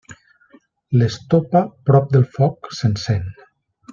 L'estopa, prop del foc, s'encén.